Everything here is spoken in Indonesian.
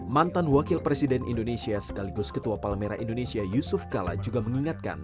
mantan wakil presiden indonesia sekaligus ketua palmera indonesia yusuf kala juga mengingatkan